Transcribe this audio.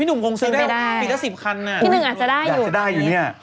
พี่หนุ่งคงซื้อได้อีก